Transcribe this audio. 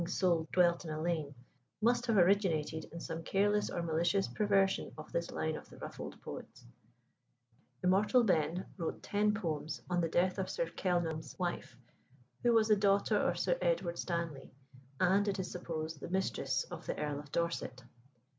and rudely sending back word "that the king's soul dwelt in a lane," must have originated in some careless or malicious perversion of this line of the rough old poet's. "Immortal Ben" wrote ten poems on the death of Sir Kenelm's wife, who was the daughter of Sir Edward Stanley, and, it is supposed, the mistress of the Earl of Dorset.